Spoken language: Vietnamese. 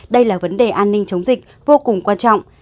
đây là vấn đề an ninh chống dịch vô cùng quan trọng